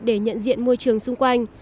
để nhận diện môi trường xung quanh